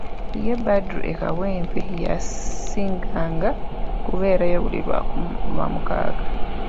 Ye Badru e Kawempe yasinganga kubeerayo buli lwamukaaga.